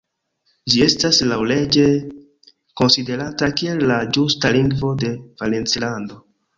Ĝi estas laŭleĝe konsiderata kiel la ĝusta lingvo de Valencilando.